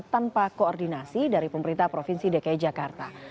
tanpa koordinasi dari pemerintah provinsi dki jakarta